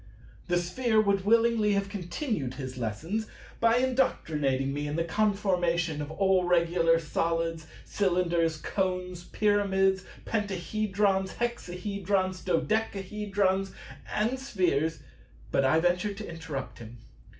The Sphere would willingly have continued his lessons by indoctrinating me in the conformation of all regular Solids, Cylinders, Cones, Pyramids, Pentahedrons, Hexahedrons, Dodecahedrons, and Spheres: but I ventured to interrupt him.